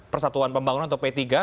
persatuan pembangunan atau p tiga